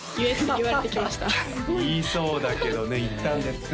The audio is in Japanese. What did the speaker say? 言いそうだけどね言ったんですか？